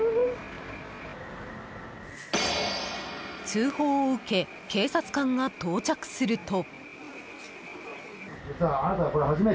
通報を受け警察官が到着すると。